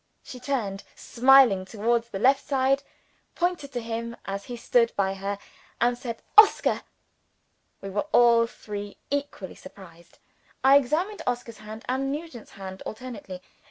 She turned smiling, towards the left side, pointed to him as he stood by her, and said, "Oscar!" We were all three equally surprised. I examined Oscar's hand and Nugent's hand alternately.